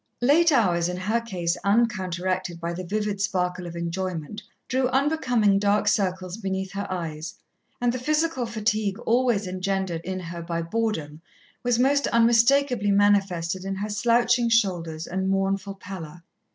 Late hours, in her case, uncounteracted by the vivid sparkle of enjoyment, drew unbecoming dark circles beneath her eyes, and the physical fatigue always engendered in her by boredom was most unmistakably manifested in her slouching shoulders and mournful pallor.